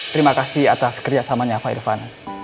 terima kasih atas kerjasamanya pak irvan